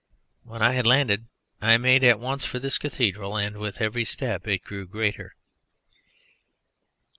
When I had landed I made at once for this cathedral, and with every step it grew greater.